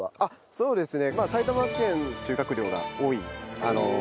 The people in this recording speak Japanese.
そうですね